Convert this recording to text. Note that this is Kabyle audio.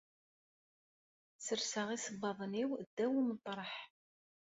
Serseɣ isebbaḍen-iw ddaw umeṭreḥ.